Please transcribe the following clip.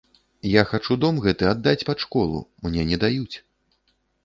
Я хачу дом гэты аддаць пад школу, мне не даюць!